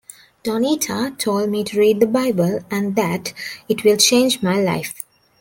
Donita told me to read the Bible and that it will change my life.